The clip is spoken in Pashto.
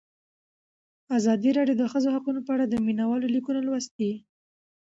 ازادي راډیو د د ښځو حقونه په اړه د مینه والو لیکونه لوستي.